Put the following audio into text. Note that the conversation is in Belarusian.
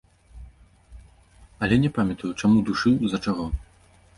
Але не памятаю, чаму душыў, з-за чаго.